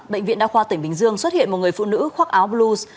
bệnh viện đa khoa tỉnh bình dương xuất hiện một người phụ nữ khoác áo blues